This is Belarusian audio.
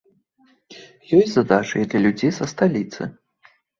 Ёсць задача і для людзей са сталіцы.